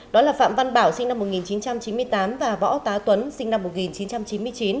đó là phạm văn bảo sinh năm một nghìn chín trăm chín mươi tám và võ tá tuấn sinh năm một nghìn chín trăm chín mươi chín